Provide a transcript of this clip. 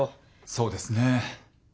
そうですね。